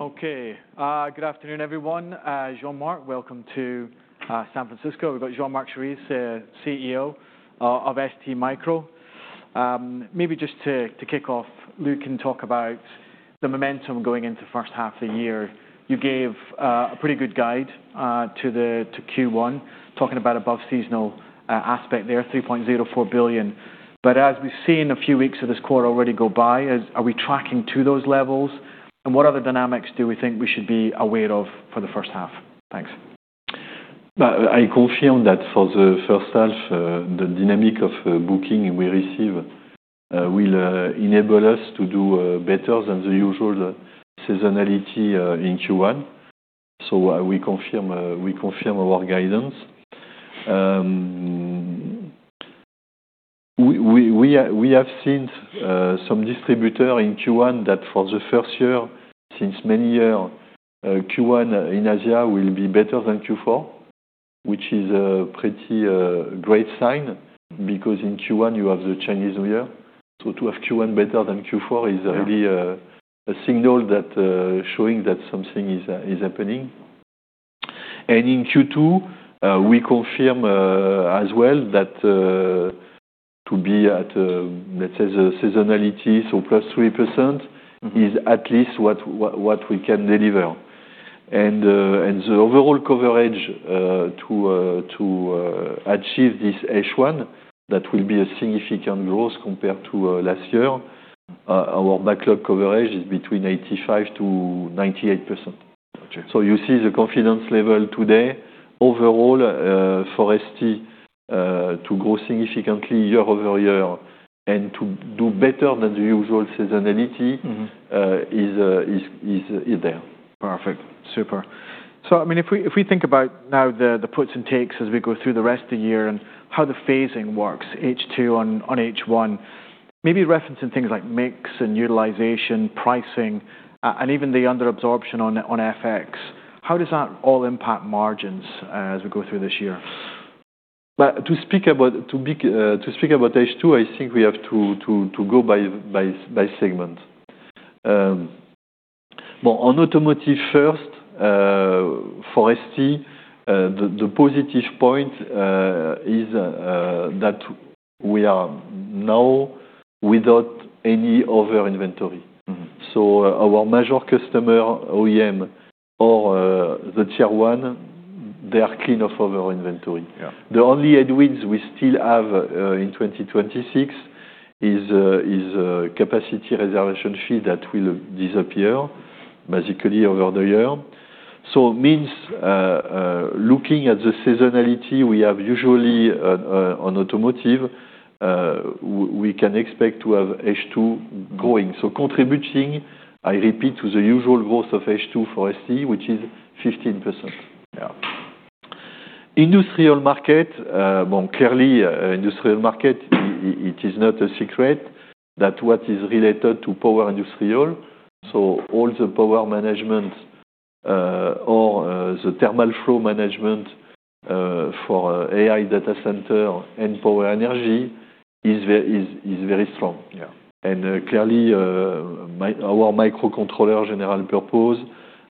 All right. Okay. Good afternoon, everyone. Jean-Marc, welcome to San Francisco. We've got Jean-Marc Chery, CEO of STMicro. Maybe just to kick off, look and talk about the momentum going into first half the year. You gave a pretty good guide to first quarter, talking about above seasonal aspect there, $3.04 billion. As we've seen a few weeks of this quarter already go by, Are we tracking to those levels? What other dynamics do we think we should be aware of for the first half? Thanks. I confirm that for the first half, the dynamic of booking we receive will enable us to do better than the usual seasonality in first quarter. We confirm our guidance. We have seen some distributor in first quarter that for the first year, since many year, first quarter in Asia will be better than fourth quarter, which is a pretty great sign, because in first quarter you have the Chinese New Year. To have first quarter better than fourth quarter is really... Yeah. A signal that showing that something is happening. In second quarter, we confirm as well that to be at, let's say the seasonality, so plus 3%... Mm-hmm. Is at least what we can deliver. The overall coverage to achieve this first half, that will be a significant growth compared to last year. Our backlog coverage is between 85% to 98%. Got you... You see the confidence level today. Overall, for ST, to grow significantly year-over-year and to do better than the usual seasonality... Mm-hmm. Is there. Perfect. Super. I mean, if we think about now the puts and takes as we go through the rest of the year and how the phasing works, second half on first half, maybe referencing things like mix and utilization, pricing, and even the under-absorption on FX, how does that all impact margins as we go through this year? Well, to speak about second half, I think we have to go by segment. Well, on automotive first, for ST, the positive point is that we are now without any other inventory. Mm-hmm. Our major customer, OEM or, the Tier 1, they are clean of other inventory. Yeah. The only headwinds we still have in 2026 is capacity reservation fees that will disappear basically over the year. Means, looking at the seasonality we have usually on automotive, we can expect to have second half growing. Contributing, I repeat, to the usual growth of second half for ST, which is 15%. Yeah. Industrial market, well, clearly, industrial market, it is not a secret that what is related to power industrial. All the power management, or the thermal flow management, for AI data center and power energy is very strong. Yeah. Clearly, our microcontroller general purpose,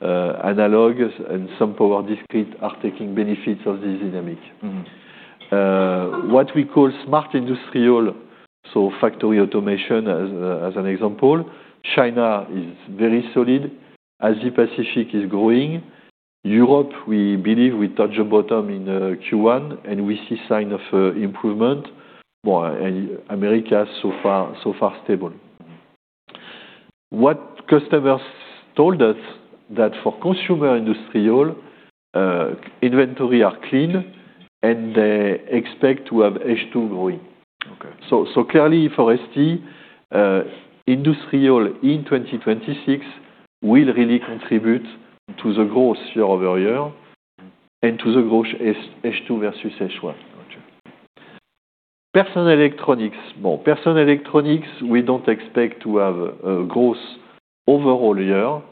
analog and some power discrete are taking benefits of this dynamic. Mm-hmm. What we call smart industrial, so factory automation as an example, China is very solid. Asia Pacific is growing. Europe, we believe we touched the bottom in first quarter, and we see sign of improvement. Well, America so far stable. Mm-hmm. What customers told us that for consumer industrial, inventory are clean and they expect to have second half growing. Okay. Clearly for ST, industrial in 2026 will really contribute to the growth year-over-year and to the growth second half versus first half. Got you. Personal electronics. Well, personal electronics, we don't expect to have a growth overall... Mm-hmm.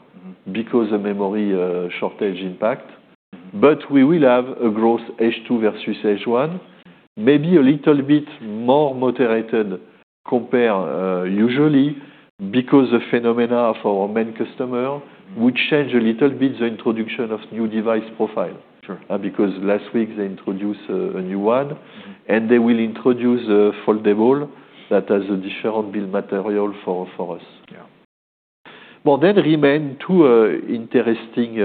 Because of memory shortage impact. We will have a growth second half versus first half. Maybe a little bit more moderated compare usually because the phenomena for our main customer would change a little bit the introduction of new device profile. Sure. Last week they introduced a new one, and they will introduce a foldable that has a different build material for us. Yeah. Well, remain two interesting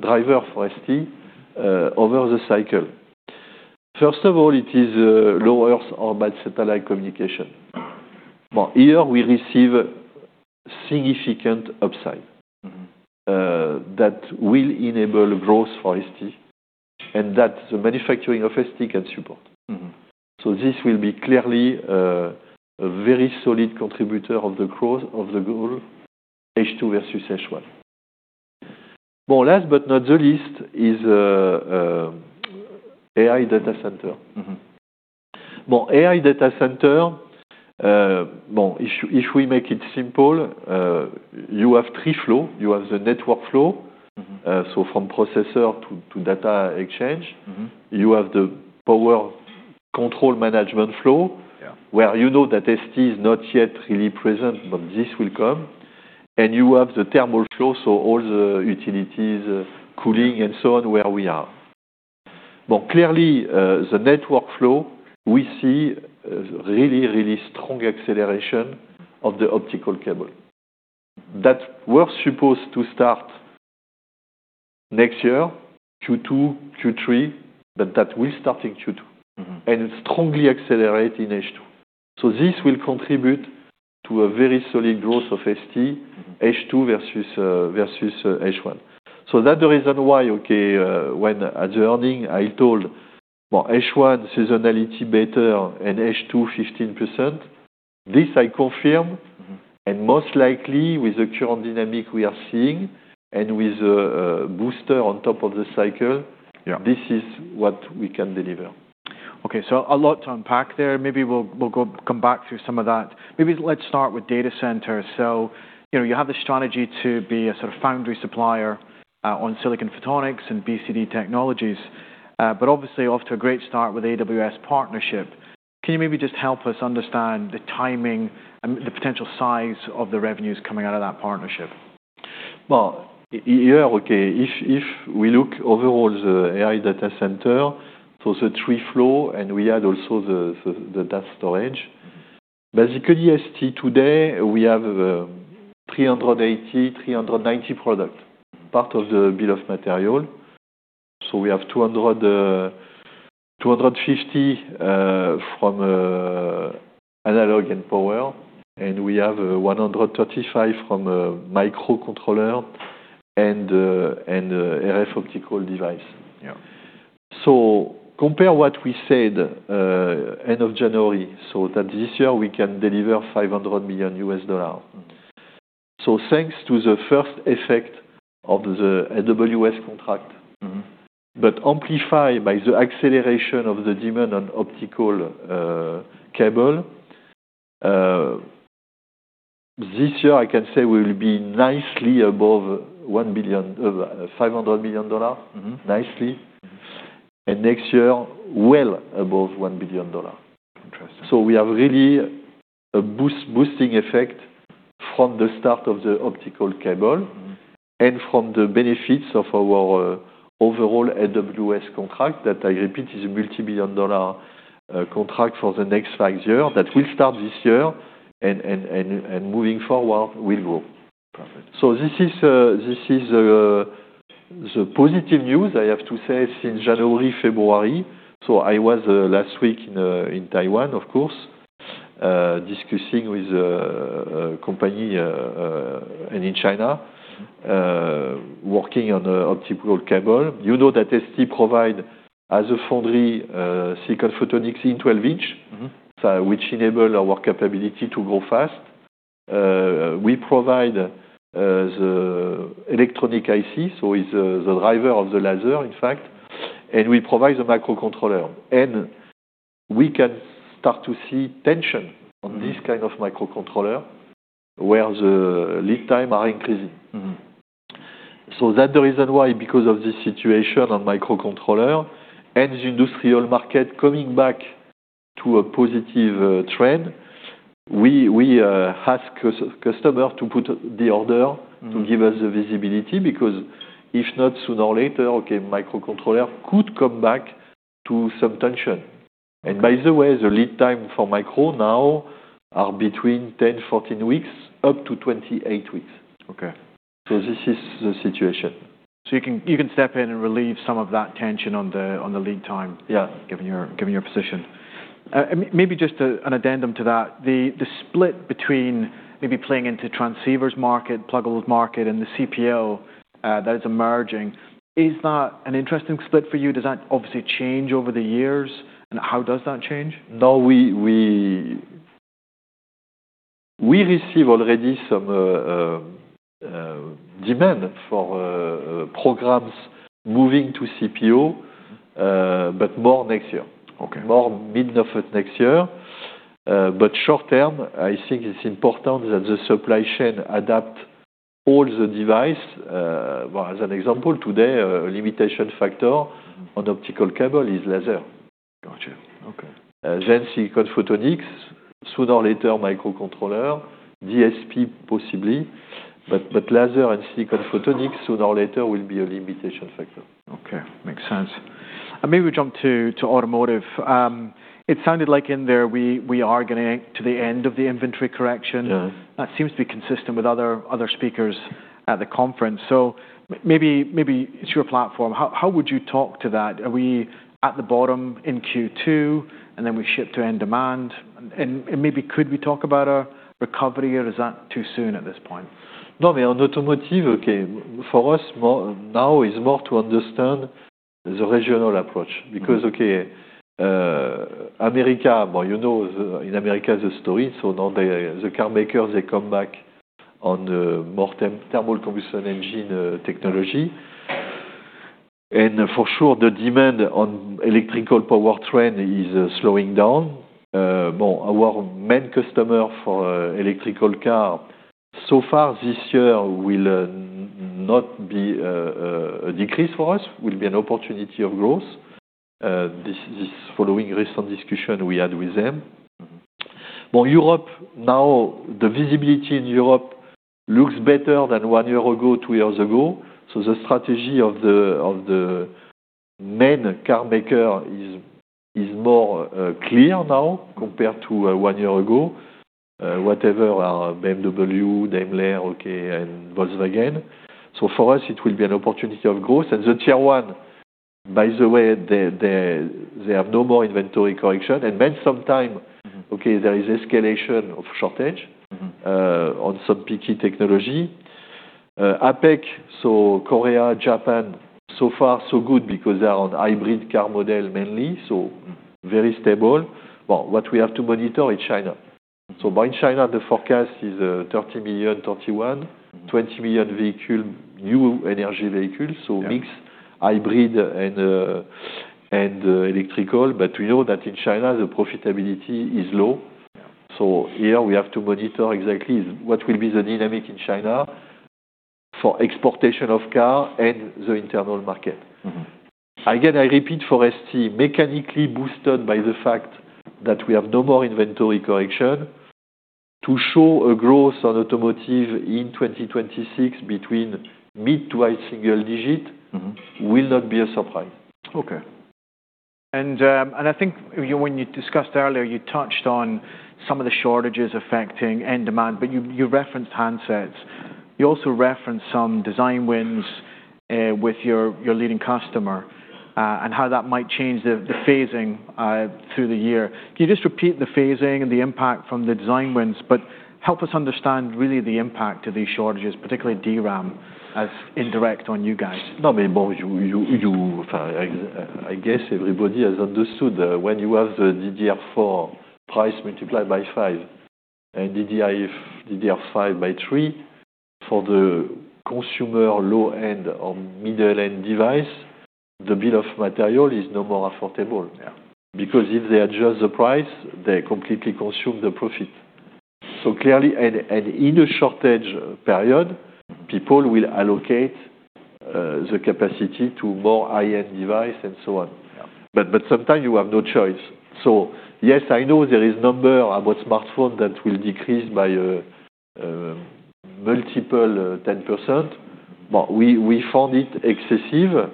driver for ST over the cycle. First of all, it is Low Earth Orbit satellite communication. Well, here we receive significant upside... Mm-hmm. That will enable growth for ST and that the manufacturing of ST can support. Mm-hmm. This will be clearly, a very solid contributor of the goal second half versus first half. Last but not the least is AI data center. Mm-hmm. Well, AI data center, well, if we make it simple, you have three flow. You have the network flow. Mm-hmm. From processor to data exchange. Mm-hmm. You have the powerControl management flow... Yeah. Where you know that ST is not yet really present, but this will come. You have the thermal flow, so all the utilities, cooling and so on, where we are. Clearly, the network flow, we see really strong acceleration of the optical cable. That was supposed to start next year, second quarter, third quarter, but that will start in second quarter. Mm-hmm. It strongly accelerate in second half. This will contribute to a very solid growth of ST. Mm-hmm. Second half versus first half. The reason why, okay, when at the earnings, I told more first half seasonality better and second half 15%. This I confirm. Mm-hmm. Most likely with the current dynamic we are seeing, and with the booster on top of the cycle. Yeah. This is what we can deliver. Okay. A lot to unpack there. Maybe we'll come back to some of that. Maybe let's start with data centers. You know, you have the strategy to be a sort of foundry supplier on Silicon Photonics and BCD technologies. Obviously off to a great start with AWS partnership. Can you maybe just help us understand the timing and the potential size of the revenues coming out of that partnership? Well, yeah, okay. If we look overall the AI data center, so the three flow, and we add also the data storage. Basically, ST today, we have 380, 390 product, part of the bill of materials. We have 200, 250 from analog and power, and we have 135 from a microcontroller and RF optical device. Yeah. Compare what we said, end of January, so that this year we can deliver $500 million. Mm-hmm. Thanks to the first effect of the AWS contract. Mm-hmm. Amplified by the acceleration of the demand on optical cable. This year, I can say we'll be nicely above $500 million. Mm-hmm. Nicely. Mm-hmm. Next year, well above $1 billion. Interesting. We have really a boosting effect from the start of the optical cable. Mm-hmm. From the benefits of our overall AWS contract, that I repeat, is a multi-billion dollar contract for the next five years, that will start this year and moving forward will grow. Perfect. This is the positive news I have to say since January, February. I was last week in Taiwan, of course, discussing with a company, and in China... Mm-hmm. Working on a optical cable. You know that ST provide as a foundry, Silicon Photonics in 12-inch. Mm-hmm. Which enable our capability to grow fast. We provide the electronic IC, so is the driver of the laser, in fact, and we provide the microcontroller. We can start to see tension... Mm-hmm. On this kind of microcontroller, where the lead time are increasing. Mm-hmm. That the reason why, because of this situation on microcontroller and the industrial market coming back to a positive, trend, we ask customer to put the order... Mm-hmm. To give us the visibility, because if not, sooner or later, okay, microcontroller could come back to some tension. Okay. By the way, the lead time for micro now are between 10, 14 weeks, up to 28 weeks. Okay. This is the situation. You can step in and relieve some of that tension on the lead time... Yeah. Given your position. Maybe just an addendum to that. The split between maybe playing into transceivers market, pluggables market, and the CPO that is emerging, is that an interesting split for you? Does that obviously change over the years, and how does that change? No, we receive already some demand for programs moving to CPO, but more next year. Okay. More middle of next year. Short term, I think it's important that the supply chain adapt all the device. As an example, today, a limitation factor on optical cable is laser. Gotcha. Okay. Silicon photonics, sooner or later, microcontroller, DSP, possibly, but laser and silicon photonics, sooner or later, will be a limitation factor. Okay. Makes sense. Maybe we jump to automotive. It sounded like in there we are getting to the end of the inventory correction. Yes. That seems to be consistent with other speakers at the conference. Maybe it's your platform. How would you talk to that? Are we at the bottom in second quarter, then we ship to end demand? Maybe could we talk about a recovery or is that too soon at this point? No, on automotive, okay, for us now is more to understand the regional approach. Okay, America, well, you know the, in America, the story. Now the carmakers, they come back on the thermal combustion engine technology. For sure, the demand on electrical powertrain is slowing down. Well, our main customer for electrical carSo far this year will not be a decrease for us, will be an opportunity of growth. This following recent discussion we had with them. For Europe now, the visibility in Europe looks better than one year ago, two years ago. The strategy of the main car maker is more clear now compared to one year ago. Whatever are BMW, Daimler, okay, and Volkswagen. For us it will be an opportunity of growth. The Tier 1, by the way, they have no more inventory correction. Sometimes, okay, there is escalation of shortage... Mm-hmm. On some picky technology. APAC, so Korea, Japan, so far so good because they are on hybrid car model mainly, so very stable. What we have to monitor is China. By China the forecast is, $30 million, $31 million. $20 million vehicle, New Energy Vehicles. Yeah. Mix hybrid and electrical. We know that in China the profitability is low. Yeah. Here we have to monitor exactly what will be the dynamic in China for exportation of car and the internal market. Mm-hmm. Again, I repeat for ST, mechanically boosted by the fact that we have no more inventory correction to show a growth on automotive in 2026 between mid-to-high single-digit... Mm-hmm. Will not be a surprise. Okay. I think when you discussed earlier, you touched on some of the shortages affecting end demand, but you referenced handsets. You also referenced some design wins with your leading customer, and how that might change the phasing through the year. Can you just repeat the phasing and the impact from the design wins, but help us understand really the impact of these shortages, particularly DRAM, as indirect on you guys? Well, you I guess everybody has understood when you have the DDR4 price multiplied by five and DDR5 by three, for the consumer low-end or middle-end device, the bill of materials is no more affordable. Yeah. Because if they adjust the price, they completely consume the profit. Clearly, and in a shortage period, people will allocate the capacity to more high-end device and so on. Yeah. Sometimes you have no choice. Yes, I know there is number about smartphone that will decrease by multiple 10%. We found it excessive.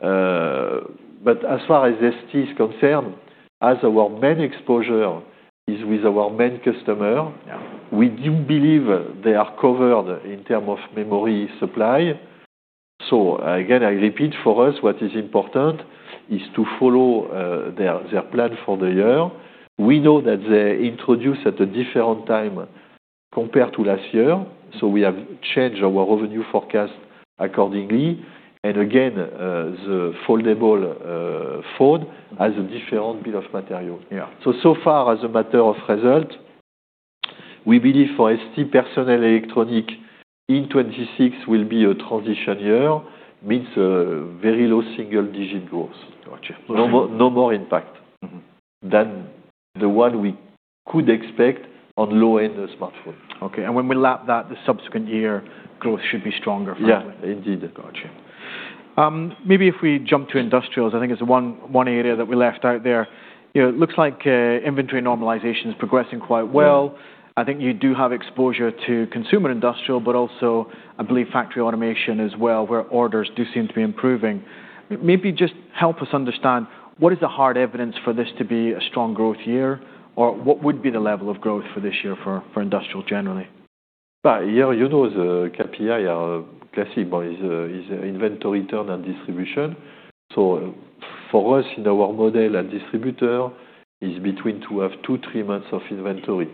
As far as ST is concerned, as our main exposure is with our main customer. Yeah. We do believe they are covered in term of memory supply. Again, I repeat, for us what is important is to follow their plan for the year. We know that they introduce at a different time compared to last year, we have changed our revenue forecast accordingly. Again, the foldable phone has a different bill of materials. Yeah. So far as a matter of result, we believe for ST personal electronic in 2026 will be a transition year, means, very low single digit growth. Gotcha. Okay. No more impact... Mm-hmm. Than the one we could expect on low-end smartphone. Okay. When we lap that the subsequent year, growth should be stronger for you? Yeah, indeed. Gotcha. Maybe if we jump to industrials, I think it's one area that we left out there. You know, it looks like inventory normalization is progressing quite well. Mm-hmm. I think you do have exposure to consumer industrial, also I believe factory automation as well, where orders do seem to be improving. Maybe just help us understand what is the hard evidence for this to be a strong growth year? What would be the level of growth for this year for industrial generally? Yeah, you know the KPI are classic, is inventory turn and distribution. For us in our model and distributor is between to have two, three months of inventory.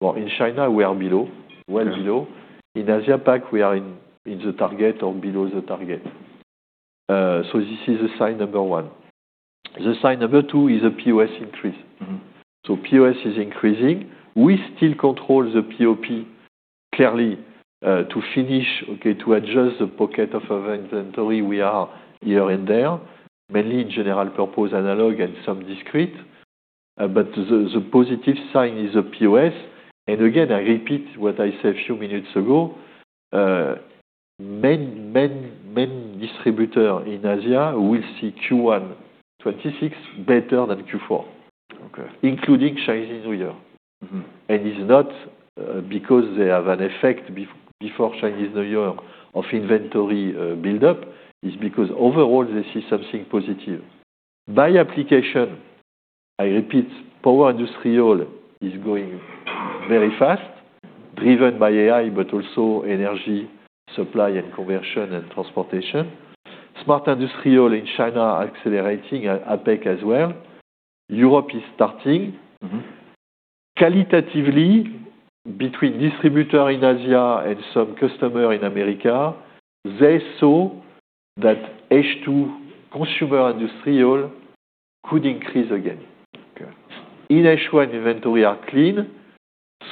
Well, in China we are below. Yeah. Well below. In APAC we are target or below the target. This is a sign number one. The sign number two is a POS increase. Mm-hmm. POS is increasing. We still control the POP clearly, to finish, okay, to adjust the pocket of inventory we are here and there. Mainly general purpose analog and some discrete. The positive sign is a POS. Again, I repeat what I said a few minutes ago, main distributor in Asia will see first quarter 2026 better than fourth quarter. Okay. Including Chinese New Year. Mm-hmm. It's not because they have an effect before Chinese New Year of inventory buildup. It's because overall they see something positive. By application, I repeat, power industrial is going very fast, driven by AI, but also energy supply and conversion and transportation. Smart industrial in China accelerating, APAC as well. Europe is starting. Mm-hmm. Qualitatively between distributor in Asia and some customer in America, they saw that second half consumer industrial could increase again. Okay. In first half, inventory are clean.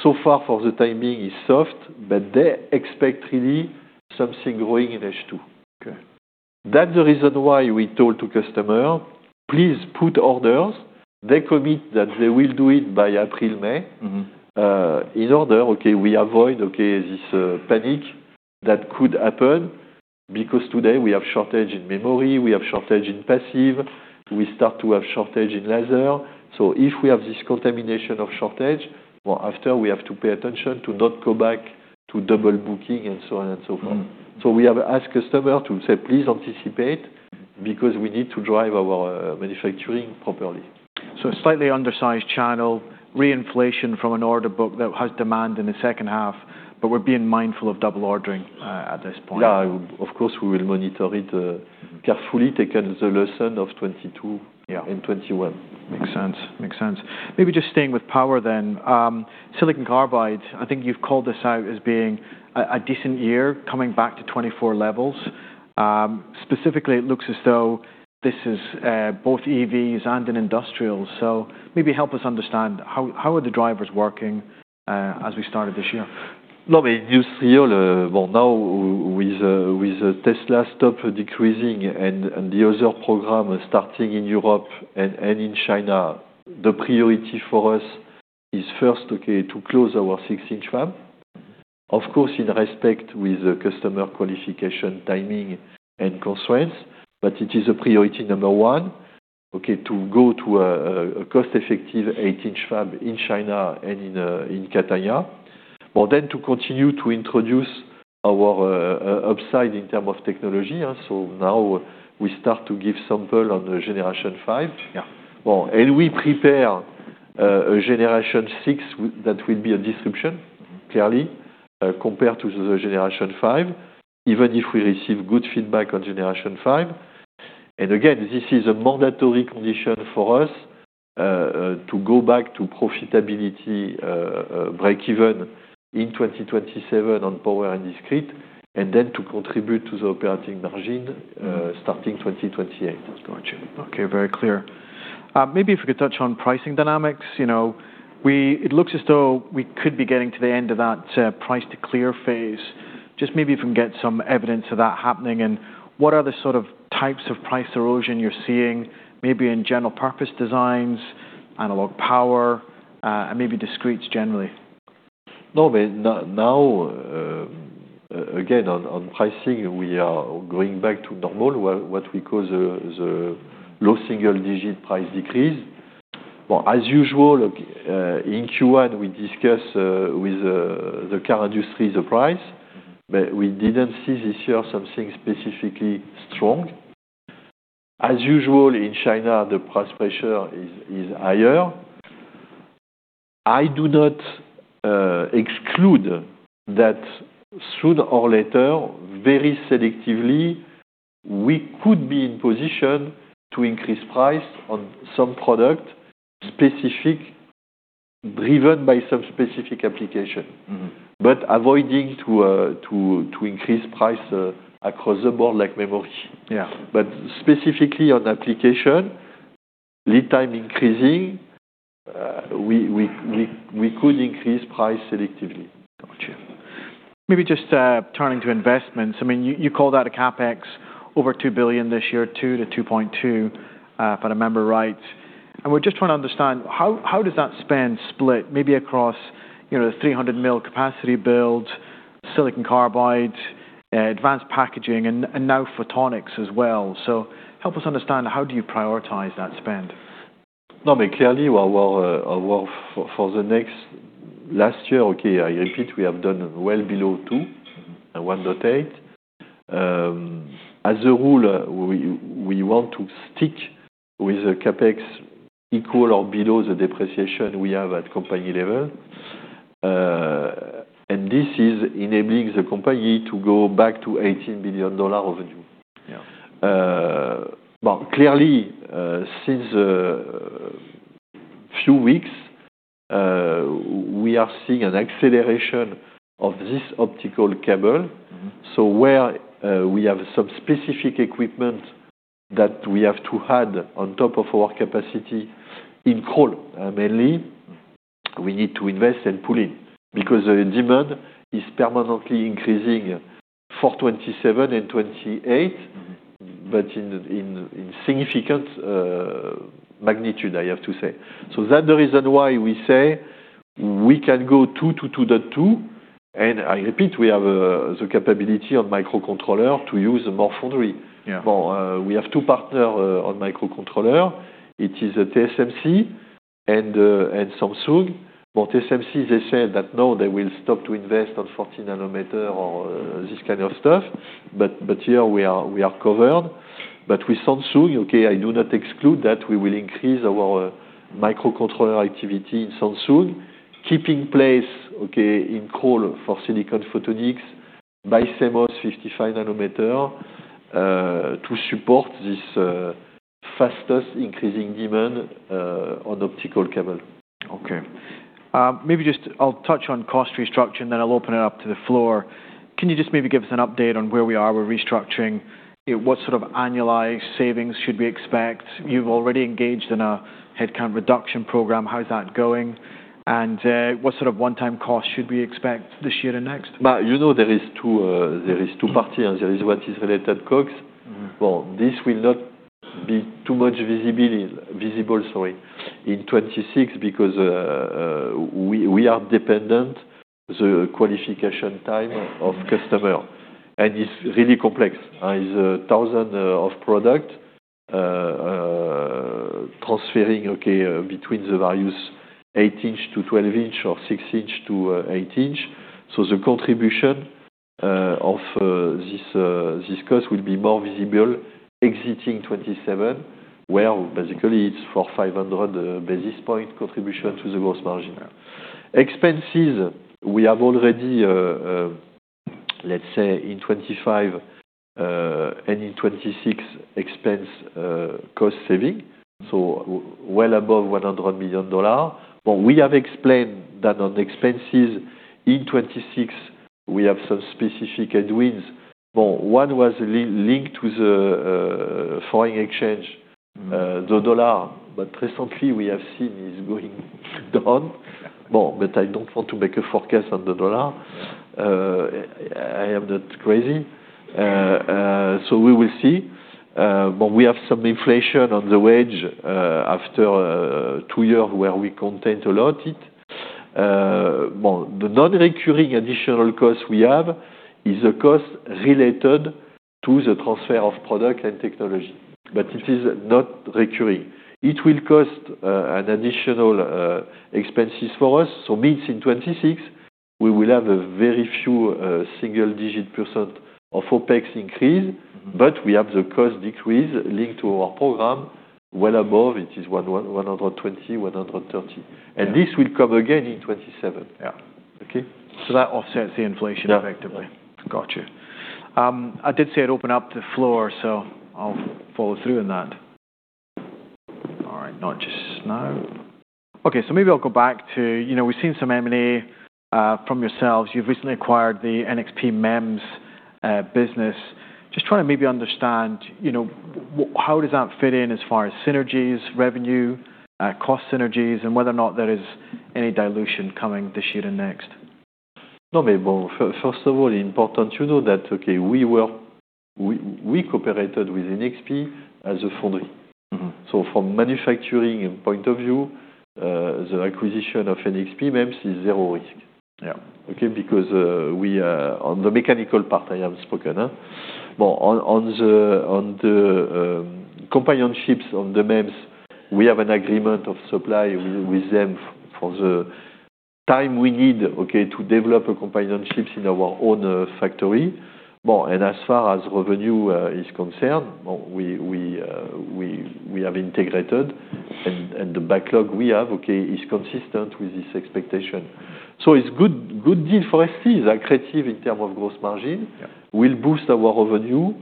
So far for the timing is soft, but they expect really something growing in second half. Okay. That's the reason why we told to customer, "Please put orders." They commit that they will do it by April, May... Mm-hmm. In order, we avoid this panic that could happen, because today we have shortage in memory, we have shortage in passive. We start to have shortage in laser. If we have this contamination of shortage, well, after we have to pay attention to not go back to double booking and so on and so forth. Mm-hmm. We have asked customer to say, "Please anticipate," because we need to drive our manufacturing properly. Slightly undersized channel reinflation from an order book that has demand in the second half, but we're being mindful of double ordering at this point. Of course, we will monitor it, carefully, taking the lesson of 2022... Yeah. 2021. Makes sense. Makes sense. Maybe just staying with power then. Silicon Carbide, I think you've called this out as being a decent year coming back to 2024 levels. Specifically, it looks as though this is both EVs and in industrials. Maybe help us understand how are the drivers working as we started this year? You see all the. Well, now with Tesla stock decreasing and the other program starting in Europe and in China, the priority for us is first, okay, to close our 6-inch fab. Of course, in respect with the customer qualification, timing, and constraints. It is a priority number one, okay, to go to a cost-effective 8-inch fab in China and in Catania. Then to continue to introduce our upside in term of technology. Now we start to give sample on the generation 5. Yeah. Well, we prepare, a generation 6 that will be a disruption. Mm-hmm. clearly, compared to the generation 5, even if we receive good feedback on generation 5. This is a mandatory condition for us, to go back to profitability, break even in 2027 on power and discrete, and then to contribute to the operating margin, starting 2028. Got you. Okay. Very clear. Maybe if you could touch on pricing dynamics. You know, it looks as though we could be getting to the end of that price to clear phase. Just maybe if you can get some evidence of that happening. What are the sort of types of price erosion you're seeing, maybe in general purpose designs, analog power, and maybe discretes generally? Now, again, on pricing, we are going back to normal, what we call the low single-digit price decrease. Well, as usual, in first quarter, we discuss with the car industry the price, but we didn't see this year something specifically strong. As usual, in China, the price pressure is higher. I do not exclude that sooner or later, very selectively, we could be in position to increase price on some product specific, driven by some specific application. Mm-hmm. Avoiding to increase price across the board like memory. Yeah. Specifically on application, lead time increasing, we could increase price selectively. Got you. Maybe just, turning to investments. I mean, you called out a CapEx over $2 billion this year, $2 to 2.2 billion, if I remember right. We're just trying to understand how does that spend split maybe across, you know, the 300mm capacity build, Silicon Carbide, advanced packaging, and now photonics as well. Help us understand, how do you prioritize that spend? No, clearly our last year, okay, I repeat, we have done well below $2 billion and $1 billion not $8 billion. As a rule, we want to stick with the CapEx equal or below the depreciation we have at company level. This is enabling the company to go back to $18 billion revenue. Yeah. Clearly, since a few weeks, we are seeing an acceleration of this optical cable... Mm-hmm. Where, we have some specific equipment that we have to add on top of our capacity in Crolles, mainly, we need to invest and pull in, because the demand is permanently increasing for 2027 and 2028. Mm-hmm. In significant magnitude, I have to say. The reason why we say we can go $2 to 2.2 billion, and I repeat, we have the capability on microcontroller to use more foundry. Yeah. Well, we have two partner on microcontroller. It is the TSMC and Samsung. Well, TSMC, they said that, no, they will stop to invest on 40-nanometer or this kind of stuff, but here we are, we are covered. With Samsung, okay, I do not exclude that we will increase our microcontroller activity in Samsung, keeping place, okay, in call for Silicon Photonics BiCMOS 55 nm to support this fastest increasing demand on optical cable. Okay. Maybe just I'll touch on cost restructuring, then I'll open it up to the floor. Can you just maybe give us an update on where we are with restructuring? What sort of annualized savings should we expect? You've already engaged in a headcount reduction program. How's that going? What sort of one-time cost should we expect this year and next? You know there is two, there is two party. There is what is related costs. Well, this will not be too much visible, sorry, in 2026 because we are dependent the qualification time of customer. It's really complex. is a 1,000 of product transferring, okay, between the values 8-inch to 12-inch or 6-inch to 8-inch. The contribution of this cost will be more visible exiting 2027, where basically it's for 500 basis point contribution to the gross margin. Expenses, we have already, let's say in 2025, and in 2026 expense, cost saving, well above $100 million. We have explained that on the expenses in 2026 we have some specific headwinds. Well, one was linked to the foreign exchange, the dollar. Recently we have seen is going down. I don't want to make a forecast on the dollar. Yeah. I am not crazy. We will see. We have some inflation on the wage after two years where we content a lot it. Well, the non-recurring additional cost we have is a cost related to the transfer of product and technology, it is not recurring. It will cost an additional expenses for us. Means in 2026, we will have a very few single-digit percent of OpEx increase. Mm-hmm. We have the cost decrease linked to our program well above, it is $120 million, $130 million. Yeah. This will come again in 2027. Yeah. Okay. That offsets the inflation effectively. Yeah. Got you. I did say I'd open up the floor, so I'll follow through on that. All right. Not just now. Maybe I'll go back to, you know, we've seen some M&A from yourselves. You've recently acquired the NXP MEMS business. Just trying to maybe understand, you know, how does that fit in as far as synergies, revenue, cost synergies, and whether or not there is any dilution coming this year and next? No, first of all, important to know that, okay, we cooperated with NXP as a foundry. Mm-hmm. From manufacturing point of view, the acquisition of NXP MEMS is zero risk. Yeah. Okay? We on the mechanical part I have spoken. On the MEMS, we have an agreement of supply with them for the time we need, okay, to develop a companionships in our own factory. As far as revenue is concerned, we have integrated, and the backlog we have, okay, is consistent with this expectation. It's good deal for us. Is accretive in term of gross margin. Yeah. Will boost our revenue.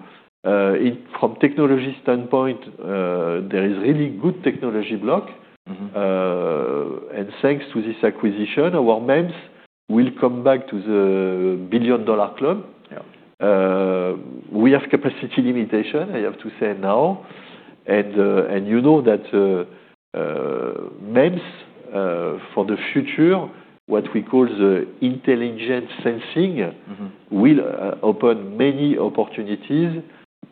From technology standpoint, there is really good technology block. Mm-hmm. Thanks to this acquisition, our MEMS will come back to the Billion-Dollar Club. Yeah. We have capacity limitation, I have to say now. You know that MEMS, for the future, what we call the intelligent sensing... Mm-hmm. Will open many opportunities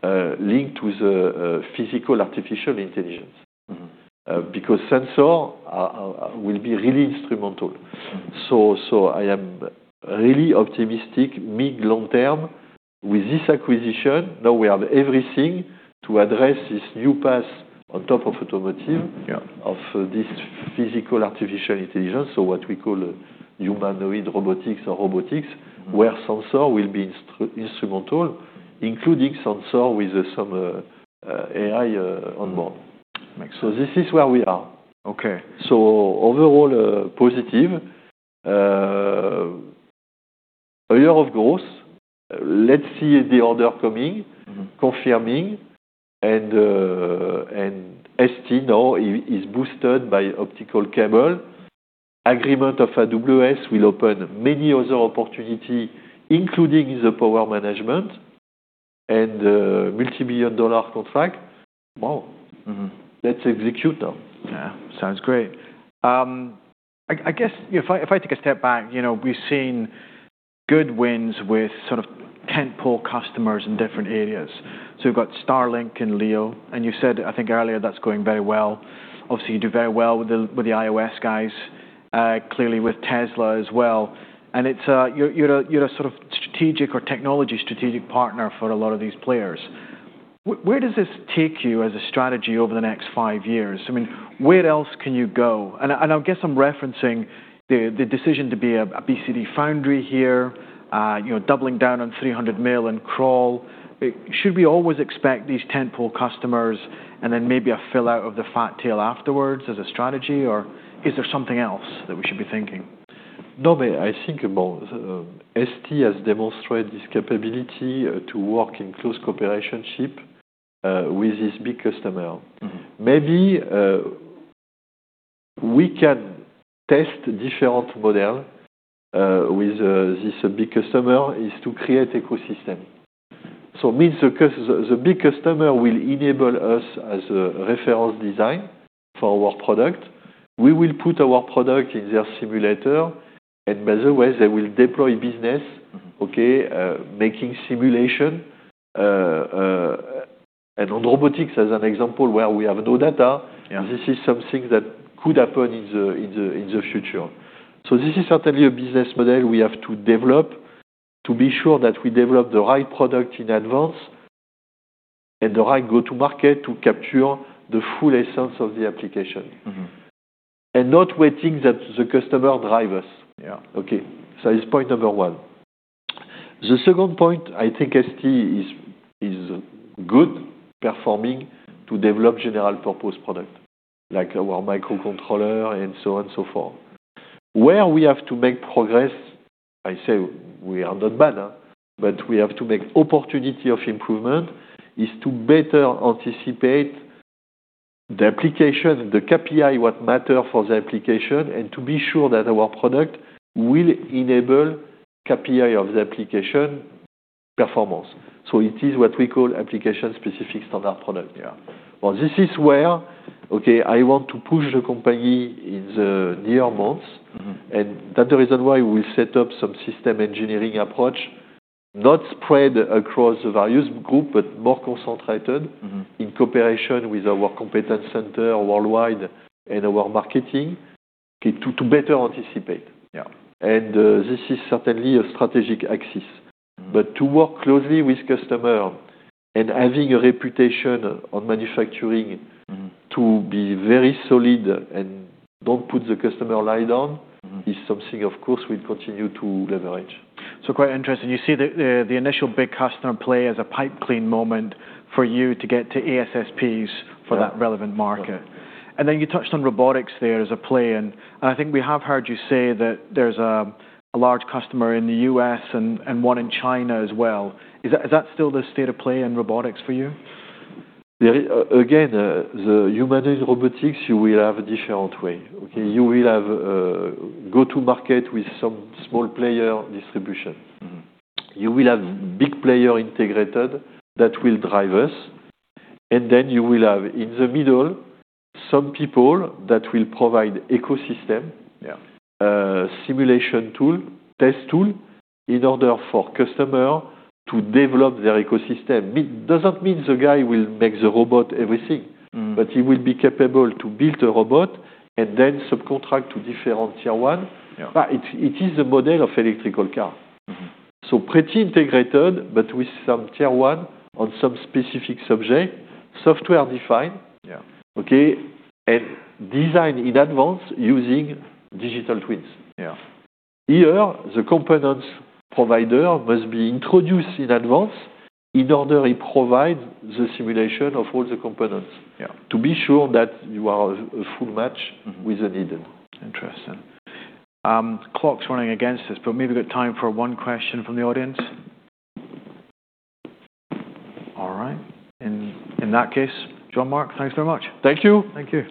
linked with the Physical Artificial Intelligence. Mm-hmm. Sensor, will be really instrumental. Mm-hmm. I am really optimistic mid long term with this acquisition. Now we have everything to address this new path on top of automotive... Yeah. Of this Physical Artificial Intelligence. What we call humanoid robotics or robotics. Mm-hmm. Where sensor will be instrumental, including sensor with some AI on board. Makes sense. This is where we are. Okay. Overall, positive. A year of growth. Let's see the order coming. Mm-hmm. Confirming ST now is boosted by optical cable. Agreement of AWS will open many other opportunity, including the power management, multi-billion dollar contract. Wow. Mm-hmm. Let's execute them. Yeah. Sounds great. I guess if I take a step back, you know, we've seen good wins with sort of tent-pole customers in different areas. We've got Starlink and LEO, and you said, I think earlier, that's going very well. Obviously, you do very well with the iOS guys, clearly with Tesla as well. It's, you're a sort of strategic or technology strategic partner for a lot of these players. Where does this take you as a strategy over the next five years? I mean, where else can you go? I guess I'm referencing the decision to be a BCD foundry here, you know, doubling down on 300mm in Crolles. Should we always expect these tent-pole customers and then maybe a fill out of the fat tail afterwards as a strategy, or is there something else that we should be thinking? I think about ST has demonstrated this capability to work in close cooperation ship with this big customer. Mm-hmm. Maybe, we can test different model, with, this big customer is to create ecosystem. Means the big customer will enable us as a reference design for our product. We will put our product in their simulator, and by the way, they will deploy business. Mm-hmm. Okay, making simulation, and on robotics as an example where we have no data. Yeah. This is something that could happen in the future. This is certainly a business model we have to develop to be sure that we develop the right product in advance and the right go-to market to capture the full essence of the application. Mm-hmm. Not waiting that the customer drive us. Yeah. Okay. It's point one. The second point, I think ST is good performing to develop general purpose product, like our microcontroller and so on and so forth. Where we have to make progress, I say we are not bad, but we have to make opportunity of improvement, is to better anticipate the application, the KPI, what matter for the application, and to be sure that our product will enable KPI of the application performance. It is what we call Application-Specific Standard Product. Yeah. Well, this is where, okay, I want to push the company in the near months. Mm-hmm. That the reason why we set up some system engineering approach, not spread across various group, but more concentrated... Mm-hmm. In cooperation with our competence center worldwide and our marketing to better anticipate. Yeah. This is certainly a strategic axis. To work closely with customer and having a reputation on manufacturing... Mm-hmm. To be very solid and don't put the customer lie down... Mm-hmm. Is something, of course, we continue to leverage. Quite interesting. You see the initial big customer play as a pipe clean moment for you to get to ASSPs for that relevant market. Yeah. You touched on robotics there as a play, and I think we have heard you say that there's a large customer in the US and one in China as well. Is that still the state of play in robotics for you? Yeah. Again, the humanoid robotics, you will have a different way. Okay? You will have go to market with some small player distribution. Mm-hmm. You will have big player integrated that will drive us, and then you will have, in the middle, some people that will provide ecosystem... Yeah. Simulation tool, test tool, in order for customer to develop their ecosystem. It doesn't mean the guy will make the robot everything. Mm-hmm. He will be capable to build a robot and then subcontract to different Tier 1. Yeah. It is a model of electrical car. Mm-hmm. Pretty integrated, but with some Tier 1 on some specific subject, software-defined. Yeah. Okay? Designed in advance using digital twins. Yeah. Here, the components provider must be introduced in advance in order he provide the simulation of all the components. Yeah. To be sure that you are a full match... Mm-hmm With the needed. Interesting. Clock's running against us, but maybe we got time for one question from the audience. All right. In that case, Jean-Marc, thanks very much. Thank you. Thank you.